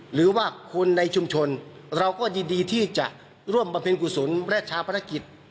หรือว่าคนในชุมชนเราก็ยินดีที่จะร่วมบำเพ็ญกุศลและชาวภารกิจ